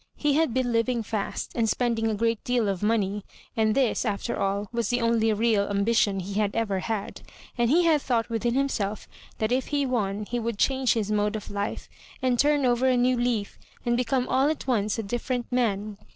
He had been living fast, and spending a great deal of money, and this, after all, was the only real ambition he had ever had ; and he had thought within himself that if he won he would change his mode of life, and turn over a new leaf, and become all at once a differ ent man.